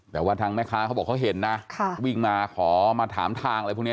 แต่ว่าทางแม่ค้าเขาบอกเขาเห็นนะวิ่งมาขอมาถามทางอะไรพวกนี้